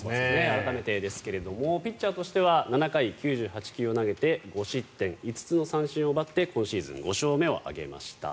改めてですがピッチャーとしては７回９８球を投げて５失点５つの三振を奪って今シーズン５勝目を挙げました。